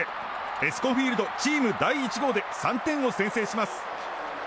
エスコンフィールドのチーム第１号で３点を先制します。